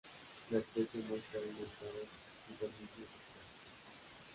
La especie muestra un marcado dimorfismo sexual.